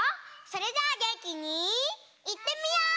それじゃあげんきにいってみよう！